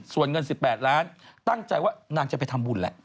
ส่วนเงิน๑๘ล้านตั้งใจว่านางจะไปทำบุญแหละ